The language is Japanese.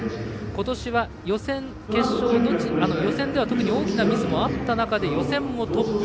今年は予選では特に大きなミスもあった中で予選もトップ。